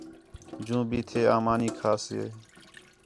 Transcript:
جوں بھی تھے آں مانی کھاسے